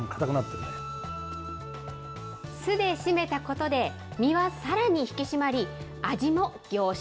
酢でしめたことで、身はさらに引き締まり、味も凝縮。